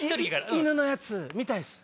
犬のやつ見たいです。